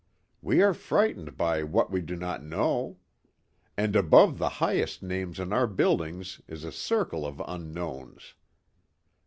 We are frightened by what we do not know. And above the highest names on our buildings is a circle of unknowns.